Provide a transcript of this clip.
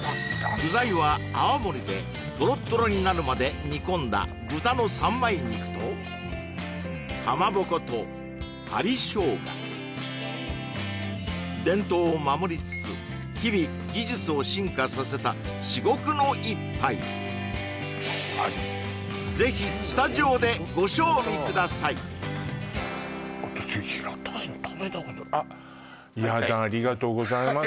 具材は泡盛でトロットロになるまで煮込んだ豚の三枚肉とかまぼこと針生姜伝統を守りつつ日々技術を進化させた至極の一杯ぜひスタジオで私平たいの食べたことあっやだありがとうございます